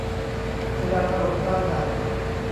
เพดานถล่มด้านใน